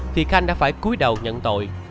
thì khanh đã phải cuối đầu nhận tội